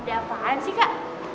ada apaan sih kak